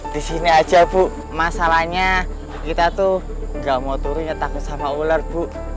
di sini aja bu masalahnya kita tuh gak mau turunnya takut sama ular bu